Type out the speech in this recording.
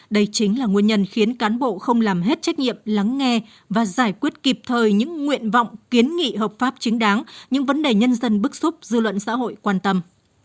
đây chính là nguyên nhân khiến cán bộ không làm hết trách nhiệm lắng nghe và giải quyết kịp thời những nguyện vọng kiến nghị hợp pháp chính đáng những vấn đề nhân dân bức xúc dư luận xã hội quan tâm